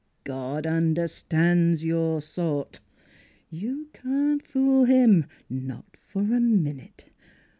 God understands your sort. You can't fool him, not for a minute.